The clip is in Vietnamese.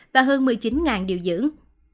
và hơn một mươi chín điều dưỡng